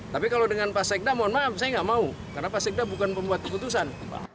tapi kalau dengan pak sekda mohon maaf saya nggak mau karena pak sekda bukan pembuat keputusan